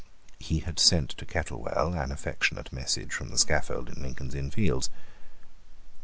He had sent to Kettlewell an affectionate message from the scaffold in Lincoln's Inn Fields.